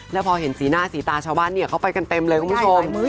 แล้วพอเห็นสีหน้าสีตาชาวบ้านเนี่ยเขาไปกันเต็มเลยคุณผู้ชม